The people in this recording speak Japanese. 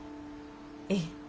ええ。